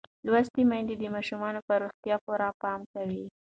لوستې میندې د ماشوم پر روغتیا پوره پام کوي.